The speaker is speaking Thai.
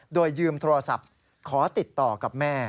โดยยืมโทรศัพท์ขอติดต่อกับแม่